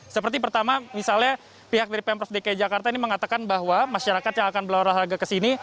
seperti pertama misalnya pihak dari pemprov dki jakarta ini mengatakan bahwa masyarakat yang akan berolahraga kesini